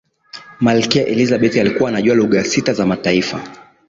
malikia elizabeth alikuwa anajua lugha sita za mataifa